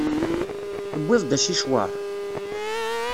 Tewwiḍ-d asicwaṛ?